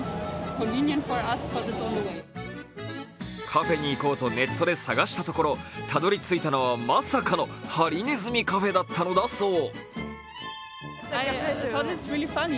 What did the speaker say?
カフェに行こうとネットで探したところたどりついたのはまさかのハリネズミカフェだったのだそう。